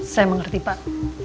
saya mengerti pak